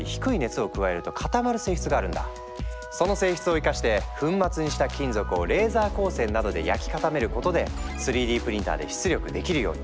その性質を生かして粉末にした金属をレーザー光線などで焼き固めることで３Ｄプリンターで出力できるように。